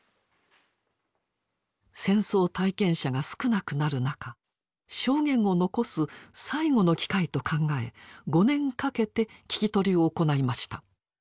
戦争体験者が少なくなる中証言を残す最後の機会と考え５年かけて聞き取りを行いました。